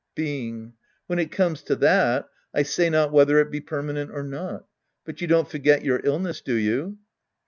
Being. When it comes to that, I say not whether it be permanent or not. But you don't forget your illness, do you